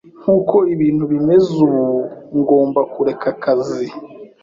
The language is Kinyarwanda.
Nkuko ibintu bimeze ubu, ngomba kureka akazi